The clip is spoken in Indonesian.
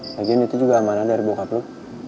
lagian itu juga amanah dari bokap lu